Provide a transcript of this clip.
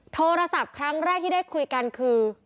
โทรศัพท์ครั้งแรกที่ได้คุยกันคือ